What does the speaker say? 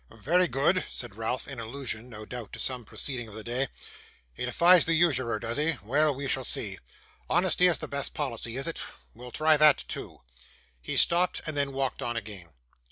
'Very good!' said Ralph, in allusion, no doubt, to some proceeding of the day. 'He defies the usurer, does he? Well, we shall see. "Honesty is the best policy," is it? We'll try that too.' He stopped, and then walked on again.